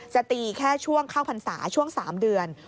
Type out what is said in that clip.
จะตีแค่ช่วงเข้าพรรษาช่วง๓เดือน